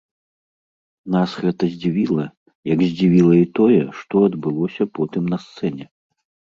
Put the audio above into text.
Нас гэта здзівіла, як здзівіла і тое, што адбылося потым на сцэне.